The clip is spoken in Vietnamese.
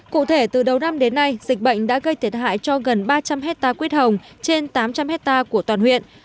cụ thể từ đầu năm đến nay dịch bệnh đã gây thiệt hại cho gần ba trăm linh hectare quyết hồng trên tám trăm linh hectare của toàn huyện